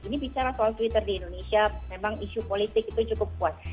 ini bicara soal twitter di indonesia memang isu politik itu cukup kuat